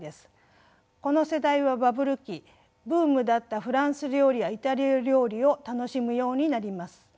この世代はバブル期ブームだったフランス料理やイタリア料理を楽しむようになります。